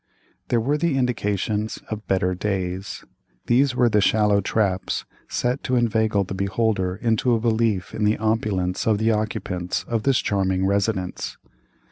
These were the indications of "better days;" these were the shallow traps set to inveigle the beholder into a belief in the opulence of the occupants of this charming residence.